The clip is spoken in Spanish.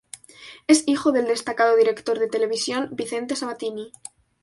Es hijo del destacado director de televisión, Vicente Sabatini.